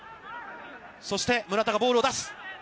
そして、村田がボールを出す。